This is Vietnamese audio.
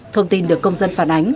thông tin được công dân phản ánh